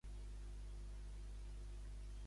Podem posar un ficus al mejador.